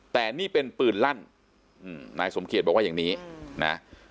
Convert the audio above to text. แต่นี่เป็นปืนลั่นนายสมเกียจบอกว่าอย่างนี้นะ